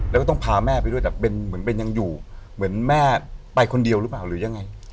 แล้วก็ต้องพาแม่ไปด้วยแต่เป็นเหมือนเป็นยังอยู่เหมือนแม่ไปคนเดียวหรือเปล่าหรือยังไง